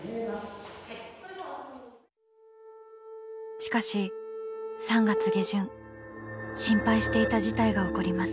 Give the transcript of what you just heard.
しかし３月下旬心配していた事態が起こります。